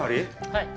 はい。